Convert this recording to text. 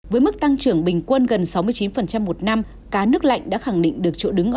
với mức tăng trưởng bình quân gần sáu mươi chín một năm cá nước lạnh đã khẳng định được chỗ đứng